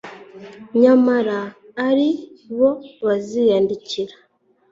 nyamara ari bo baziyandikira